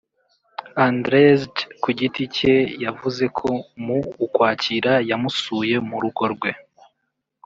Andrzej ku giti cye yavuze ko mu Ukwakira yamusuye mu rugo rwe